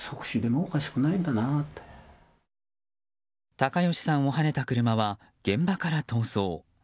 高吉さんをはねた車は現場から逃走。